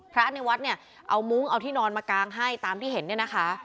พระในวัดเนี่ยเอามุ้งเอาที่นอนมากางให้ตามที่เห็นเนี่ยนะคะ